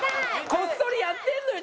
こっそりやってるのよ